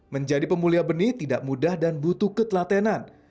menjadi pemulia benih tidak mudah dan butuh ketelatenan